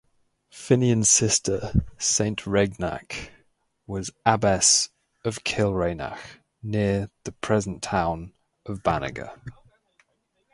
Finnian's sister, Saint Regnach, was Abbess of Kilreynagh, near the present town of Banagher.